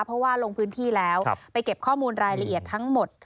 เพราะว่าลงพื้นที่แล้วไปเก็บข้อมูลรายละเอียดทั้งหมด